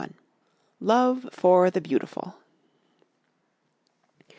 LOVE FOR THE BEAUTIFUL.